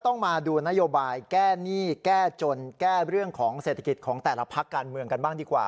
ต้องมาดูนโยบายแก้หนี้แก้จนแก้เรื่องของเศรษฐกิจของแต่ละพักการเมืองกันบ้างดีกว่า